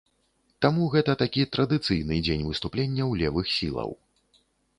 Таму гэта такі традыцыйны дзень выступленняў левых сілаў.